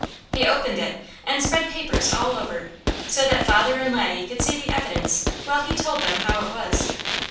He opened it and spread papers all over, so that father and Laddie could see the evidence, while he told them how it was.